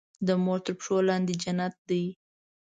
د مور تر پښو لاندې جنت دی.